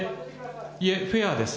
いえ、フェアです。